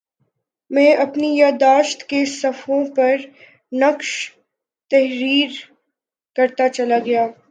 میں اپنی یادداشت کے صفحوں پر نقش تحریر کرتاچلا گیا